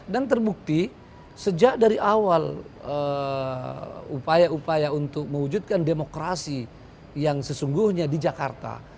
dan termukti sejak dari awal upaya upaya untuk mewujudkan demokrasi yang sesungguhnya di jakarta